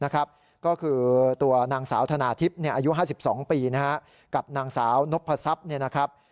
ก็คือตัวนางสาวธนาธิปอายุ๕๒ปีนะครับกับนางสาวนกพระทรัพย์เนี่ยนะครับ